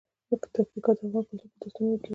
پکتیکا د افغان کلتور په داستانونو کې راځي.